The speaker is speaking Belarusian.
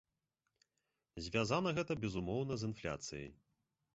Звязана гэта, безумоўна, з інфляцыяй.